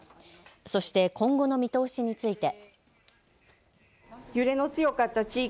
そして今後の見通しについて。